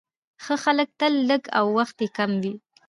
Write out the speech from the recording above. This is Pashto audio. ښه خلک تل لږ او وخت يې کم وي،